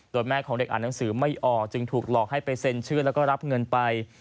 โดยแม่ของเด็กอ่านหนังสือไม่ออกจึงถูกหลอกให้ไปเซ็นชื่อแล้วก็รับเงินไป